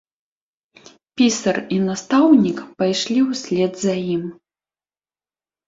Пісар і настаўнік пайшлі ўслед за ім.